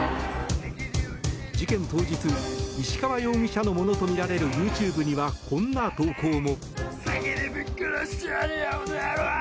事件当日石川容疑者のものとみられるＹｏｕＴｕｂｅにはこんな投稿も。